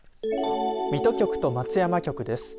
水戸局と松山局です。